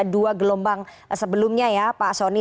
dua gelombang sebelumnya ya pak soni